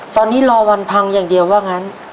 ตอนนี้รอวันพังอย่างเดียวว่างั้น